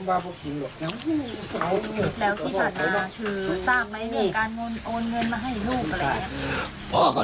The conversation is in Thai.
แม่เขากำลังเอตาไตร์หมดแล้ว